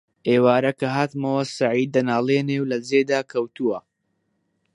ئێوارە کە هاتمەوە سەعید دەناڵێنێ و لە جێدا کەوتووە: